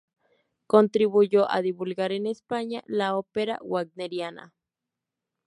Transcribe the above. Contribuyó a divulgar en España la ópera wagneriana.